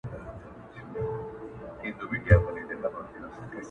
پر سپین تندي به اوربل خپور وو اوس به وي او کنه.!